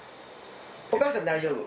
お母さん大丈夫。